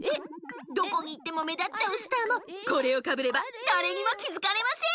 どこにいってもめだっちゃうスターもこれをかぶればだれにもきづかれません。